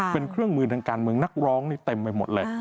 เป็นเครื่องมือทางการเมืองนักร้องนี่เต็มไปหมดเลย